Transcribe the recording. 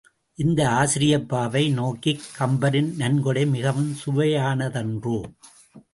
இந்த ஆசிரியப்பாவை நோக்கக் கம்பரின் நன்கொடை மிகவும் சுவையானதன்றோ!